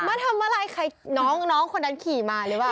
มาทำอะไรใครน้องคนนั้นขี่มาหรือเปล่า